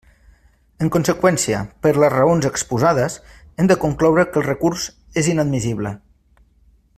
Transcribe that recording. En conseqüència, per les raons exposades, hem de concloure que el recurs és inadmissible.